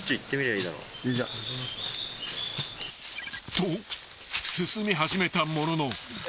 ［と進み始めたものの］